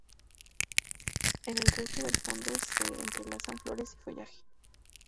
En el resto del fondo se entrelazan flores y follaje.